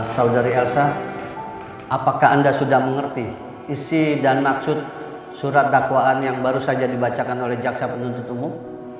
saudari elsa apakah anda sudah mengerti isi dan maksud surat dakwaan yang baru saja dibacakan oleh jaksa penuntut umum